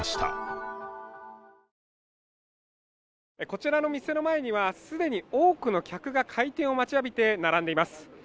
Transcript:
こちらの店の前には既に多くの客が開店を待ちわびて並んでいます。